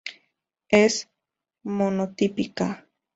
Es monotípica.